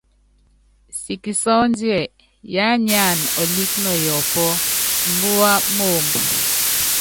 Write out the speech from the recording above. Siki sɔ́ndiɛ, yiá nyána ɔlíki nɔ yɔpɔ́, mbúwa moombo.